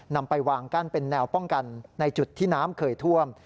นำไปวางกั้นเป็นแนวป้องกันในจุดที่น้ำเคยท่วม